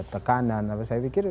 tekanan apa saya pikir